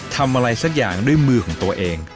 ทำอะไรสักอย่างด้วยมือของตัวเอง